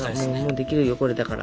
できるよこれだから。